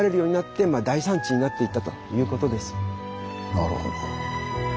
なるほど。